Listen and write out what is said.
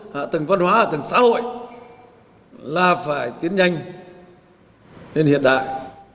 hạ tầng văn hóa hạ tầng xã hội là phải tiến nhanh nên hiện đại